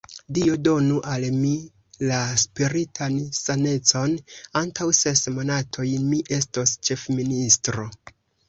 Dio donu al mi la spiritan sanecon: antaŭ ses monatoj, mi estos ĉefministro.